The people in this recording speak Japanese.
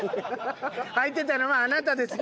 履いてたのはあなたですね？